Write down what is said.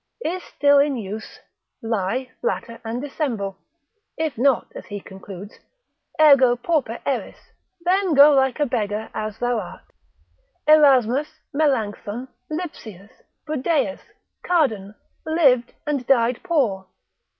is still in use; lie, flatter, and dissemble: if not, as he concludes,—Ergo pauper eris, then go like a beggar as thou art. Erasmus, Melancthon, Lipsius, Budaeus, Cardan, lived and died poor.